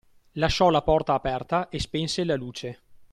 Lasciò la porta aperta e spense la luce.